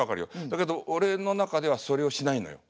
だけど俺の中ではそれをしないのよ。